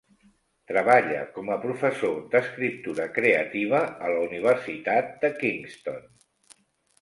Treballa com a professor d’escriptura creativa a la Universitat de Kingston.